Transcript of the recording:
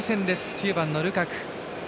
９番のルカク。